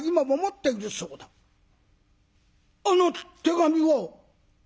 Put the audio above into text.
「あの手紙を！？